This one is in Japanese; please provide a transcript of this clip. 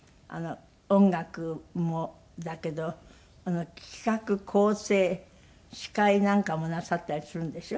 音楽もだけど企画構成司会なんかもなさったりするんでしょ？